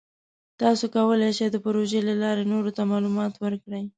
تاسو کولی شئ د پروژې له لارې نورو ته معلومات ورکړئ.